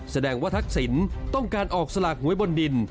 แสดงว่าทักษิณต้องการออกสลากหวยบนดิน